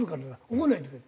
怒らないでくれ」